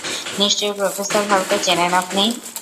নিশ্চয় প্রফেসর হলকে চেনেন আপনি!